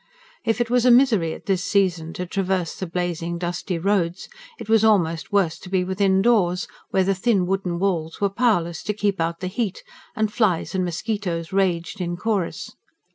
If it was a misery at this season to traverse the blazing, dusty roads, it was almost worse to be within doors, where the thin wooden walls were powerless to keep out the heat, and flies and mosquitoes raged in chorus.